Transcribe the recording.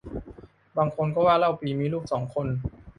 บางคนก็ว่าเล่าปี่มีลูกสองคน